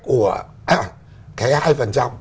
của cái hai